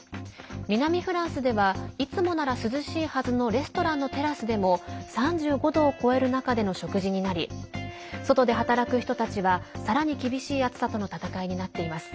南フランスではいつもなら涼しいはずのレストランのテラスでも３５度を超える中での食事になり外で働く人たちはさらに厳しい暑さとの戦いになっています。